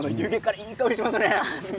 いい香りがしますね。